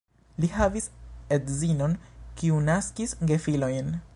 Li havis edzinon, kiu naskis gefilojn.